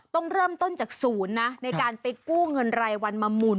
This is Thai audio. ต้องเริ่มต้นจากศูนย์นะในการไปกู้เงินรายวันมาหมุน